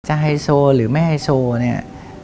ไฮโซหรือไม่ไฮโซเนี่ย